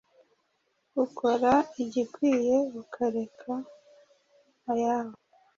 ukora igikwiye ukareka ayabo